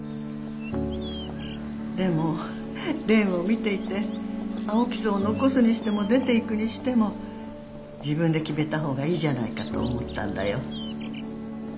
でも蓮を見ていて青木荘を残すにしても出ていくにしても自分で決めたほうがいいじゃないかと思ったんだよ。